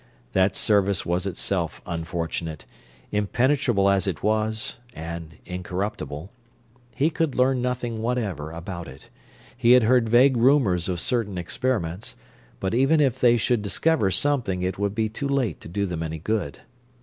That Service was itself unfortunate impenetrable as it was, and incorruptible. He could learn nothing whatever about it. He had heard vague rumors of certain experiments but even if they should discover something it would be too late to do them any good.